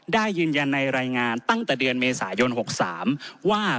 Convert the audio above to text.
ได้ยืนยันในรายงานตั้งแต่เดือนเมษายน๖๓ว่า